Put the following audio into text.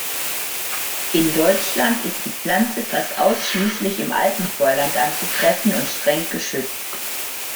In Deutschland ist die Pflanze fast ausschließlich im Alpenvorland anzutreffen und streng geschützt.